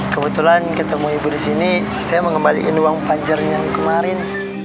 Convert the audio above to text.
kebetulan ketemu ibu di sini saya mau ngembalikan uang pancernya kemarin